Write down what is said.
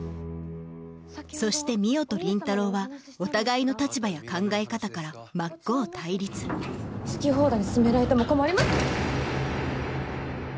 そして海音と倫太郎はお互いの立場や考え方から真っ向対立好き放題に進められても困りま。